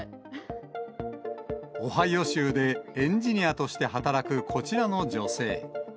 オハイオ州でエンジニアとして働くこちらの女性。